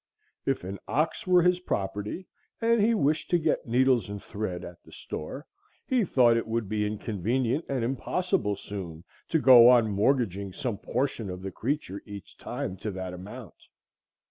If an ox were his property, and he wished to get needles and thread at the store, he thought it would be inconvenient and impossible soon to go on mortgaging some portion of the creature each time to that amount.